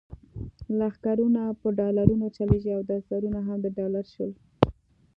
لښکرونه په ډالرو چلیږي او دفترونه هم د ډالر شول.